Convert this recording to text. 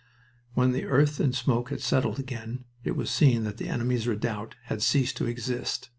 When the earth and smoke had settled again it was seen that the enemy's redoubt had ceased to exist.